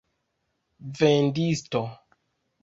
vendisto